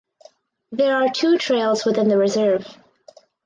There are two trails within the reserve.